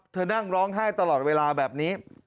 นั่งร้องไห้ตลอดเวลาแบบนี้